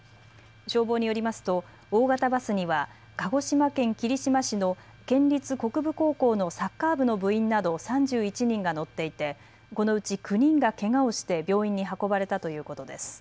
消防によりますと大型バスには鹿児島県霧島市の県立国分高校のサッカー部の部員など３１人が乗っていてこのうち９人がけがをして病院に運ばれたということです。